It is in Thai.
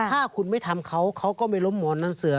ถ้าคุณไม่ทำเขาเขาก็ไม่ล้มหมอนนั่นเสือ